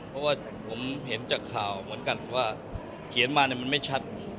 เพราะว่าผมเห็นจากข่าวเหมือนกันว่าเขียนมามันไม่ชัด